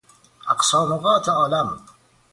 اقصی نقاط عالم